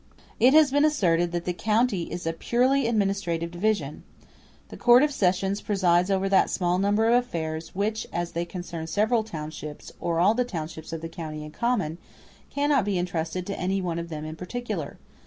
It has been asserted that the county is a purely administrative division. The Court of Sessions presides over that small number of affairs which, as they concern several townships, or all the townships of the county in common, cannot be entrusted to any one of them in particular.